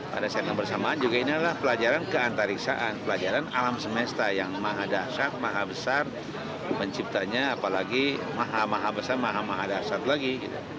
pada saat yang bersamaan juga ini adalah pelajaran keantariksaan pelajaran alam semesta yang maha dasar maha besar menciptanya apalagi maha maha besar maha maha dasat lagi